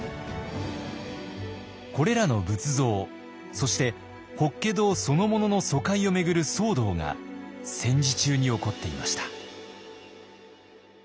これらの仏像そして法華堂そのものの疎開を巡る騒動が戦時中に起こっていました。